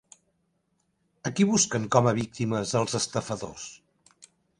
A qui busquen com a víctimes els estafadors?